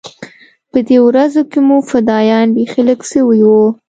په دې ورځو کښې مو فدايان بيخي لږ سوي وو.